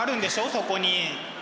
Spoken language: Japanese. そこに。